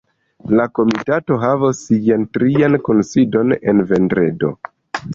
La komitato havos sian trian kunsidon en vendredo.